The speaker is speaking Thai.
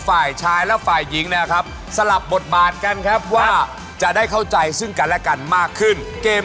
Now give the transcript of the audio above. ฝ่ายชายและฝ่ายหญิงนะครับสลับบทบาทกันครับว่าจะได้เข้าใจซึ่งกันและกันมากขึ้นเกม